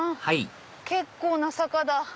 はい結構な坂だ。